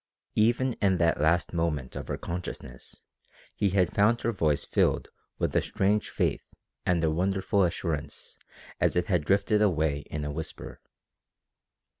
Even in that last moment of her consciousness he had found her voice filled with a strange faith and a wonderful assurance as it had drifted away in a whisper.